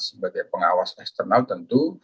sebagai pengawas eksternal tentu